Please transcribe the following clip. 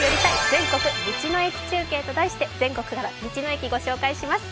全国の道の駅中継」と題して全国から道の駅、ご紹介します。